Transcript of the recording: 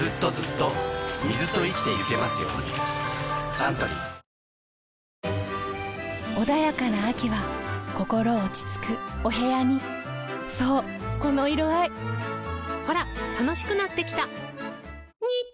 サントリー穏やかな秋は心落ち着くお部屋にそうこの色合いほら楽しくなってきた！